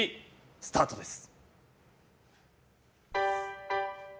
スタートです。